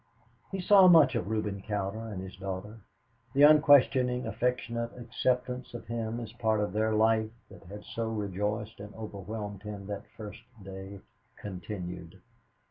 He saw much of Reuben Cowder and his daughter. The unquestioning, affectionate acceptance of him as part of their life that had so rejoiced and overwhelmed him that first day, continued.